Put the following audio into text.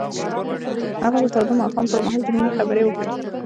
هغه د تاوده ماښام پر مهال د مینې خبرې وکړې.